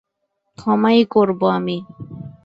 ক্ষমাই করব আমি।